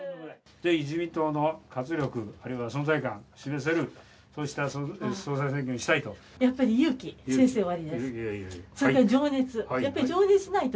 ぜひ自民党の活力、あるいは存在感示せる、そうした総裁選挙にしたいと。